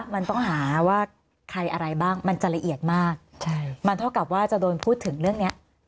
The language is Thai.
มันต้องหาว่าใครอะไรบ้างมันจะละเอียดมากมันเท่ากับว่าจะโดนพูดถึงเรื่องนี้